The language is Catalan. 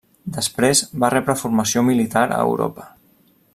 Després va rebre formació militar a Europa.